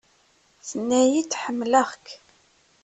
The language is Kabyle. Tenna-yi-d ḥemmleɣ-k.